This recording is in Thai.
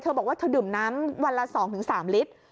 บอกว่าเธอดื่มน้ำวันละ๒๓ลิตร